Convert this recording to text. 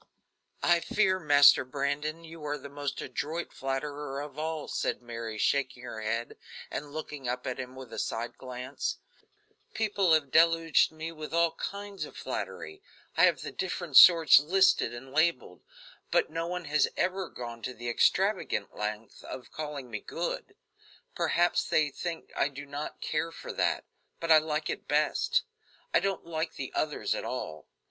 "I fear, Master Brandon, you are the most adroit flatterer of all," said Mary, shaking her head and looking up at him with a side glance, "people have deluged me with all kinds of flattery I have the different sorts listed and labeled but no one has ever gone to the extravagant length of calling me good. Perhaps they think I do not care for that; but I like it best. I don't like the others at all.